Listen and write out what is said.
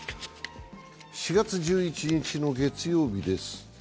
４月１１日の月曜日です。